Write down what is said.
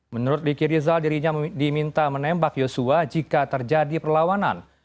menurut riki rizal dirinya diminta menembak yosua jika terjadi perlawanan